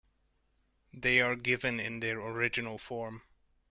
They are given in their original form.